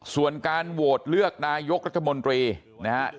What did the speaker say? ส่วนการโหวตเลือกนายกรัฐมนตรีนะครับ